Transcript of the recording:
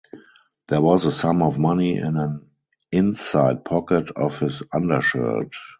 There was a sum of money in an inside pocket of his undershirt.